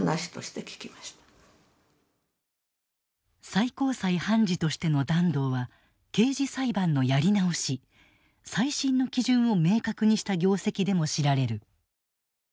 最高裁判事としての團藤は刑事裁判のやり直し「再審」の基準を明確にした業績でも知られる。